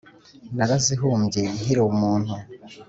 Narazihumbye nkiri umuntu!